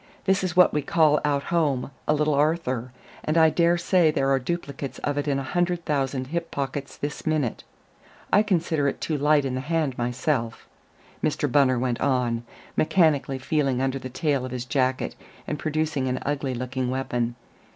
This is what we call out home a Little Arthur, and I dare say there are duplicates of it in a hundred thousand hip pockets this minute. I consider it too light in the hand myself," Mr. Bunner went on, mechanically feeling under the tail of his jacket, and producing an ugly looking weapon.